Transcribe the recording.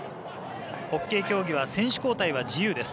ホッケー競技は選手交代は自由です。